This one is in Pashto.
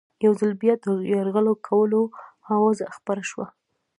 یو ځل بیا د یرغل کولو آوازه خپره شوه.